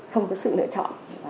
không có sự lựa chọn